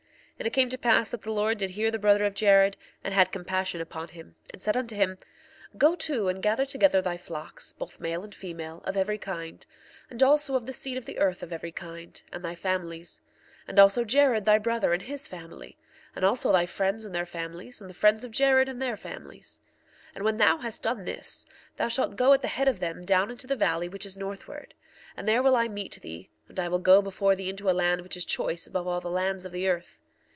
1:40 And it came to pass that the Lord did hear the brother of Jared, and had compassion upon him, and said unto him: 1:41 Go to and gather together thy flocks, both male and female, of every kind; and also of the seed of the earth of every kind; and thy families; and also Jared thy brother and his family; and also thy friends and their families, and the friends of Jared and their families. 1:42 And when thou hast done this thou shalt go at the head of them down into the valley which is northward. And there will I meet thee, and I will go before thee into a land which is choice above all the lands of the earth.